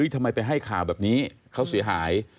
ทำไมไปให้ข่าวแบบนี้เขาเสียหาย